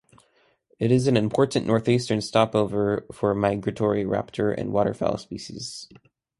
It is an important northeastern stopover for migratory raptor and waterfowl species.